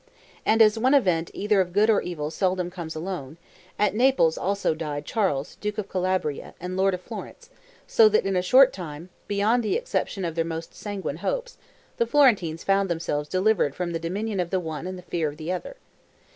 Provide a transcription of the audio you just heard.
And as one event either of good or evil seldom comes alone, at Naples also died Charles duke of Calabria and lord of Florence, so that in a short time, beyond the expectation of their most sanguine hopes, the Florentines found themselves delivered from the domination of the one and the fear of the other.